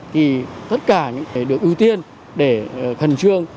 thì tất cả những cái được ưu tiên để khẩn trương